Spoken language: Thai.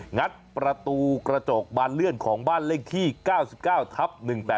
งัดประตูกระจกบานเลื่อนของบ้านเลขที่๙๙ทับ๑๘๘